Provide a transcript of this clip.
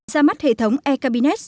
ra mắt hệ thống e cabinet